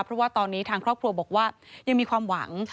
เพราะว่าตอนนี้ทางครอบครัวบอกว่ายังมีความหวัง